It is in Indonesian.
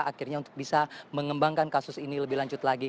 akhirnya untuk bisa mengembangkan kasus ini lebih lanjut lagi